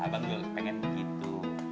abang juga pengen begitu